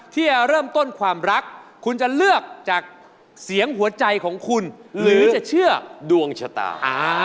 ที่จะเริ่มต้นความรักคุณจะเลือกจากเสียงหัวใจของคุณหรือจะเชื่อดวงชะตา